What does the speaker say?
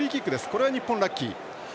これは日本ラッキー。